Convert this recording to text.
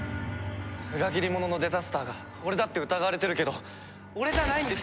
裏切り者のデザスターが俺だって疑われてるけど俺じゃないんです！